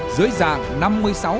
dưới dạng năm mươi sáu bài báo